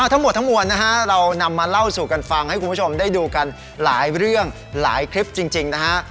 ทั้งหมดทั้งมวลนะฮะเรานำมาเล่าสู่กันฟังให้คุณผู้ชมได้ดูกันหลายเรื่องหลายคลิปจริงนะฮะ